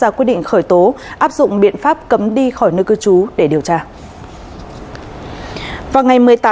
ra quy định khởi tố áp dụng biện pháp cấm đi khỏi nước cư chú để điều tra